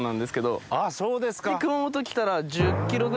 そうですか。